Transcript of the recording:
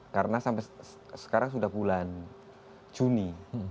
karena sampai sekarang sudah bulan juni